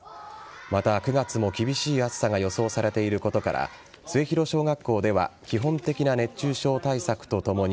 また、９月も厳しい暑さが予想されていることから末広小学校では基本的な熱中症対策とともに